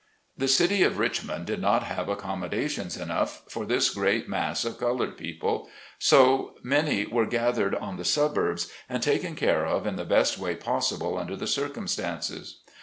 The city of Richmond did not have accommoda tions enough for this great mass of colored people, 60 SLAVE CABIN TO PULPIT. so many were gathered on the suburbs and taken care of in the best why possible under the circumstances.